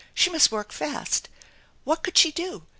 She must work fast. What could she do